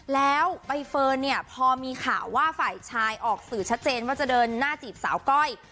แล้วใบเฟิร์นเนี่ยพอมีข่าวว่าฝ่ายชายออกสื่อชัดเจนว่าจะเดินหน้าจีบสาวก้อย